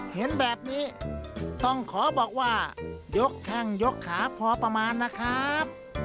เห็นแบบนี้ต้องขอบอกว่ายกแข้งยกขาพอประมาณนะครับ